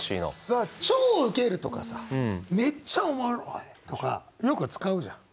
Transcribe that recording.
さあ「超ウケる」とかさ「めっちゃおもろい」とかよく使うじゃん。